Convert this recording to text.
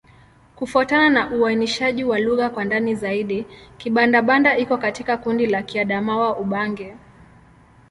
Kufuatana na uainishaji wa lugha kwa ndani zaidi, Kibanda-Banda iko katika kundi la Kiadamawa-Ubangi.